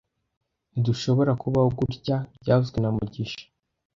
Ntidushobora kubaho gutya byavuzwe na mugisha